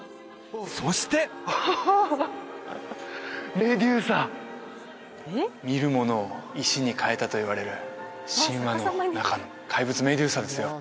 そしてメデューサ見るものを石に変えたといわれる神話の中の怪物メデューサですよ